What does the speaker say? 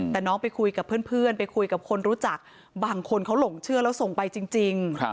แต่น้องไปคุยกับเพื่อนไปคุยกับคนรู้จักบางคนเขาหลงเชื่อแล้วส่งไปจริง